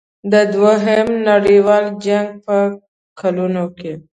د دوهم نړیوال جنګ په کلونو کې.